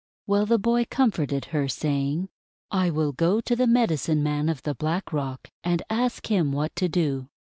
Well, the boy comforted her, saying: "I will go to the Medicine Man of the Black Rock, and ask him what to do."